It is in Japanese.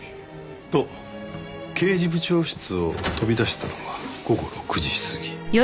と刑事部長室を飛び出したのが午後６時過ぎ。